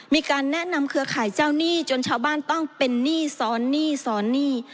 มีการแนะนำเครือข่ายเจ้าหนี้จนชาวบ้านต้องเป็นหนี้ซ้อนหนี้ซ้อนหนี้